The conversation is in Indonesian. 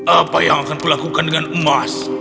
apa yang akan kulakukan dengan emas